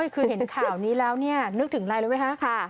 คือเห็นข่าวนี้แล้วนึกถึงอะไรรู้ไหมคะ